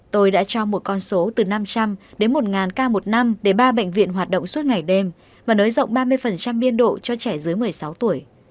tôi đã cho một con số từ năm trăm linh đến một ca một năm để ba bệnh viện hoạt động suốt ngày đêm và nới rộng ba mươi biên độ cho trẻ dưới một mươi sáu tuổi